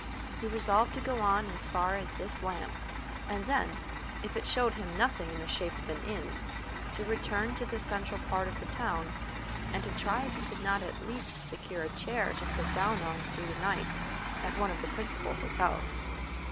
He resolved to go on as far as this lamp, and then, if it showed him nothing in the shape of an inn, to return to the central part of the town, and to try if he could not at least secure a chair to sit down on through the night at one of the principal hotels.